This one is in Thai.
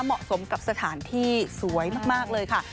เหมาะสมกับสถานที่สวยมากเลยค่ะ